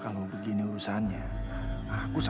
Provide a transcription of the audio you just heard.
masih lanjut vnd masa